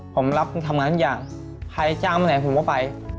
ผมรับทำงานทุกอย่างใครจ้างมาไหนผมก็ไป